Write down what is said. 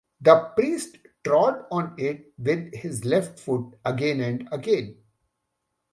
The priest trod on it with his left foot again and again.